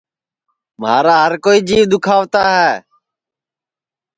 مھارا ہر کوئی جیو دُؔکھاوتا ہے